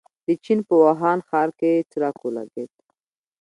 د چين په ووهان ښار کې څرک ولګېد.